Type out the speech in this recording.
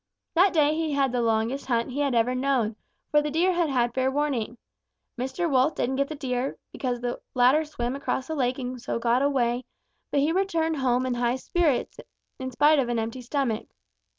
That day he had the longest hunt he ever had known, for the Deer had had fair warning. Mr. Wolf didn't get the Deer, because the latter swam across a lake and so got away, but he returned home in high spirits in spite of an empty stomach.